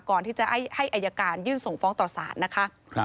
ก่อนที่จะให้อายการยื่นส่งฟ้องต่อสารนะคะ